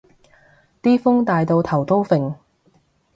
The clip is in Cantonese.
啲風大到頭都甩